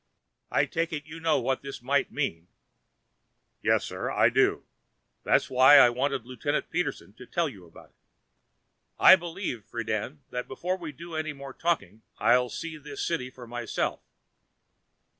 "I take it you know what this might mean?" "Yes sir, I do. That's why I wanted Lieutenant Peterson to tell you about it." "I believe, Friden, that before we do any more talking I'll see this city for myself."